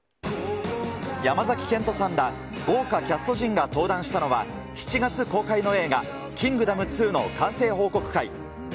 山崎賢人さんら、豪華キャスト陣が登壇したのは、７月公開の映画、キングダム２の完成報告会。